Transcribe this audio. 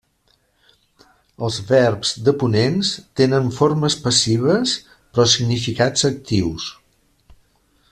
Els verbs deponents tenen formes passives però significats actius.